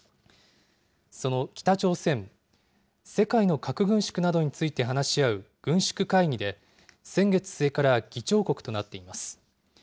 その北朝鮮、世界の核軍縮などについて話し合う軍縮会議で、先月末から議長国となっています。